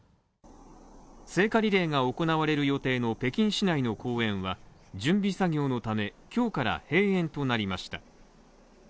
聖火リレーが行われる予定の北京市内の公園は、準備作業のため、今日から閉園となりました。